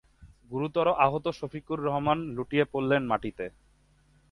গুরুতর আহত শফিকুর রহমান লুটিয়ে পড়লেন মাটিতে।